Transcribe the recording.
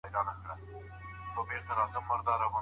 د خبرو اترو له لاري ستونزي حل کیږي.